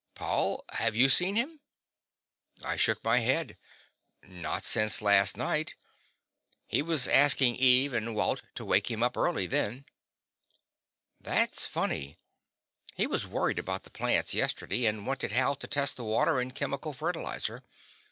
"Paul, have you seen him?" I shook my head. "Not since last night. He was asking Eve and Walt to wake him up early, then." "That's funny. He was worried about the plants yesterday and wanted Hal to test the water and chemical fertilizer.